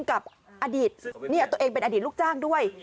กับอดีตตัวเองเป็นอดีตลูกจ้างด้วย